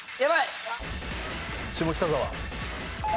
下北沢。